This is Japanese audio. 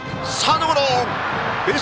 サードゴロ。